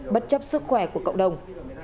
bất chấp sức khỏe của cộng đồng